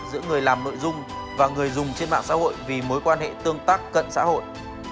giữa người làm nội dung và người dùng trên mạng xã hội vì mối quan hệ tương tác cận xã hội